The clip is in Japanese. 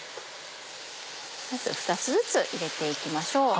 まず２つずつ入れていきましょう。